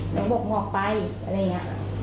บอกงอกไปอะไรอย่างนี้